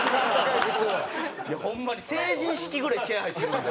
いやホンマに成人式ぐらい気合入ってるんで。